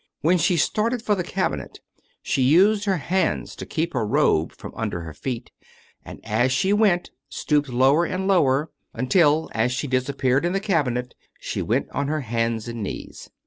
When she started for the cabinet she used her hands to keep her robe from under her feet, and as she went stooped lower and lower, until, as she disappeared in the cabinet, she went on her hands and knees.